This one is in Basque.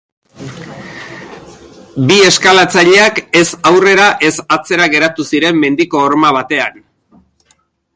Bi eskalatzaileak ez aurrera ez atzera geratu ziren mendiko horma batean.